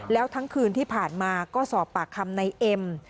แล้วทั้งคืนที่ผ่านมาก็สอบปากคำในเอ็ม